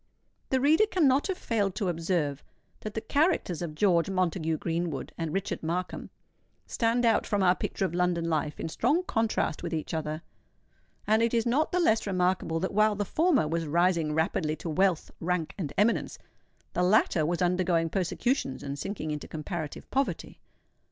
The reader cannot have failed to observe that the characters of George Montague Greenwood and Richard Markham stand out from our picture of London Life in strong contrast with each other; and it is not the less remarkable that while the former was rising rapidly to wealth, rank, and eminence, the latter was undergoing persecutions and sinking into comparative poverty.